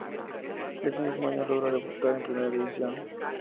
Ese mismo año logra debutar en Primera División.